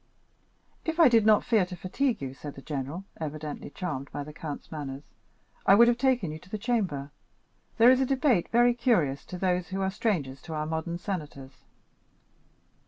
"If I did not fear to fatigue you," said the general, evidently charmed with the count's manners, "I would have taken you to the Chamber; there is a debate very curious to those who are strangers to our modern senators."